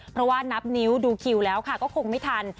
เพราะว่านับนิ้วดูคิวแล้วค่ะก็คงไม่ทัน